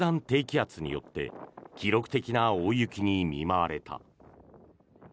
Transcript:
低気圧によって記録的な大雪に見舞われた。